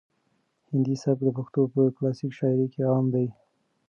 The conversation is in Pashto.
هندي سبک د پښتو په کلاسیک شاعري کې عام دی.